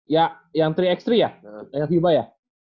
ya yang tiga x tiga ya fiba ya